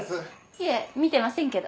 いえ見てませんけど。